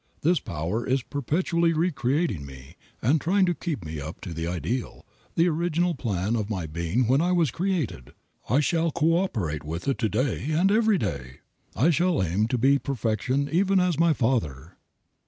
This Power is perpetually re creating me, and trying to keep me up to the ideal, the original plan of my being when I was created. I shall coöperate with it to day, and every day. I shall aim to be perfect, even as my Father."